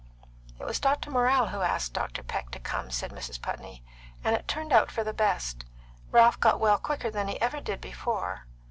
"It was Dr. Morrell who asked Mr. Peck to come," said Mrs. Putney; "and it turned out for the best. Ralph got well quicker than he ever did before.